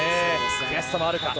悔しさもあるか。